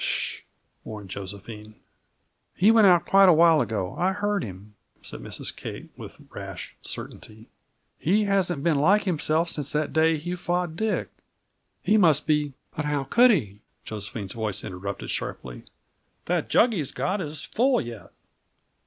"Hsh sh," warned Josephine. "He went out, quite a while ago. I heard him," said Mrs. Kate, with rash certainty. "He hasn't been like himself since that day he fought Dick. He must be " "But how could he?" Josephine's voice interrupted sharply. "That jug he's got is full yet."